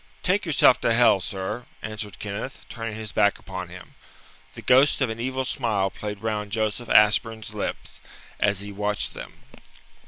"Take yourself to hell, sir!" answered Kenneth, turning his back upon him. The ghost of an evil smile played round Joseph Ashburn's lips as he watched them.